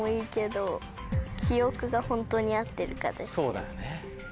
そうだよね。